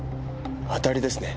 当たりですね。